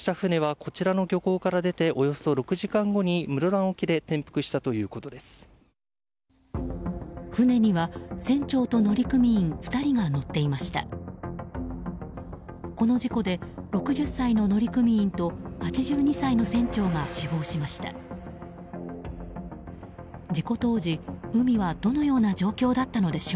この事故で６０歳の乗組員と８２歳の船長が死亡しました。